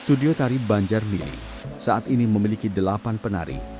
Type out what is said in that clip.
studio tari banjar mini saat ini memiliki delapan penari